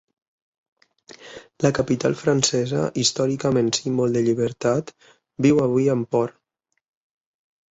La capital francesa, històricament símbol de llibertat, viu avui amb por.